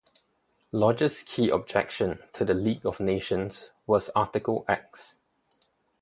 Lodge's key objection to the League of Nations was Article X.